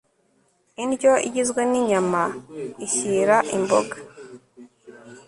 Indyo igizwe ninyama ishyira imboga